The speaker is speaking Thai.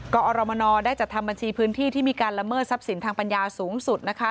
ก็อรมนได้จัดทำบัญชีพื้นที่ที่มีการละเมิดทรัพย์สินทางปัญญาสูงสุดนะคะ